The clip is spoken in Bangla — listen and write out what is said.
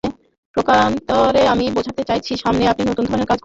প্রকারান্তরে আমি বোঝাতে চাইছি, সামনেই আপনি নতুন ধরনের কাজ হাতে নেবেন।